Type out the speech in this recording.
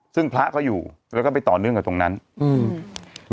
ซึ่งพระก็อยู่แล้วก็ไปต่อเนื่องกับตรงนั้นอืม